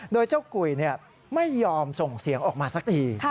โดยเจ้ากุยไม่ยอมส่งเสียงออกมาสักที